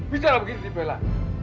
bicara begini dibela